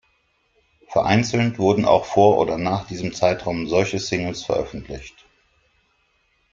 Vereinzelt wurden auch vor oder nach diesem Zeitraum solche Singles veröffentlicht.